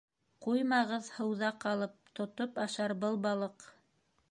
Ҡуймағыҙ һыуҙа ҡалып, Тотоп ашар был балыҡ.